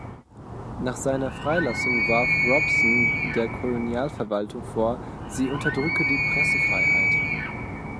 Nach seiner Freilassung warf Robson der Kolonialverwaltung vor, sie unterdrücke die Pressefreiheit.